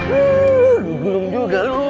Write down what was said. uuu belum juga lu